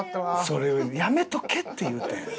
それをやめとけって言うたやん。